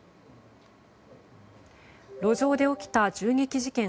路上で起きた銃撃事件。